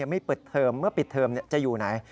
ไม่เปิดเทอมเมื่อปิดเทอมจะอยู่ไหน